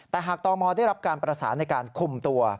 แต่หากตมได้รับการประสานในการคุมตัว